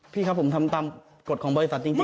พี่ครับผมทำตามกฎของบริษัทจริง